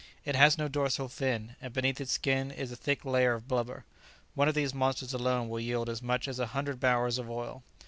It has no dorsal fin, and beneath its skin is a thick layer of blubber. One of these monsters alone will yield as much as a hundred barrels of oil.